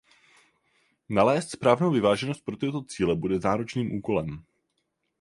Nalézt správnou vyváženost pro tyto cíle bude náročným úkolem.